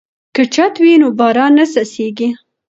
که چت وي نو باران نه څڅیږي.